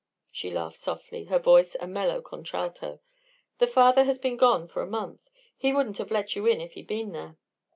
She laughed softly, her voice a mellow contralto. "The Father has been gone for a month; he wouldn't have let you in if he'd been there."